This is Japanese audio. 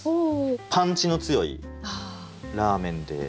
パンチの強いラーメンで。